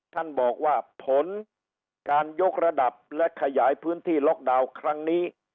ท่านบอกว่าผลการยกระดับและขยายพื้นที่ล็อกดาวน์ครั้งนี้